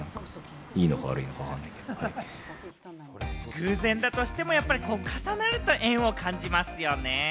偶然だとしても、やっぱり重なると縁を感じますよね。